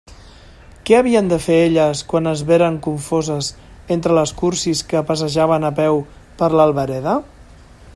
Què havien de fer elles quan es veren confoses entre les cursis que passejaven a peu per l'Albereda?